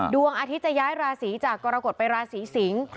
ดวงอาทิตย์จะย้ายราศีจากกรกฎไปราศีสิงศ์